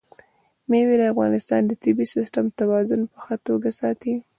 مېوې د افغانستان د طبعي سیسټم توازن په ښه توګه ساتي.